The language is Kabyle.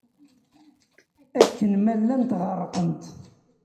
Akken ma llant ɣerqent.